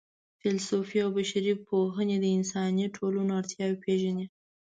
فېلسوفي او بشري پوهنې د انساني ټولنو اړتیاوې پېژني.